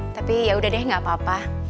tapi ya udah deh gak apa apa